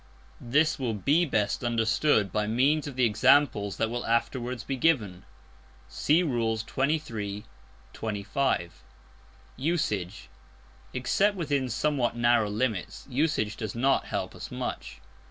This will be best understood by means of the examples that will afterwards be given. (See Rules XXIII., XXV.) Usage. Except within somewhat narrow limits, usage does not help us much.